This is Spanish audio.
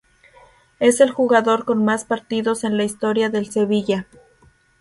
Es el jugador con más partidos en la historia del Sevilla.